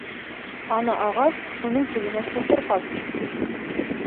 Ана ағас, шуның төбөнә соҡор ҡаҙ.